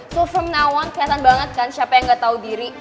so from now on keliatan banget kan siapa yang ga tau diri